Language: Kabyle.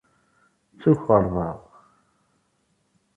D tukerḍa.